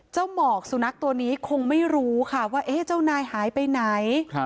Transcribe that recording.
หมอกสุนัขตัวนี้คงไม่รู้ค่ะว่าเจ้านายหายไปไหน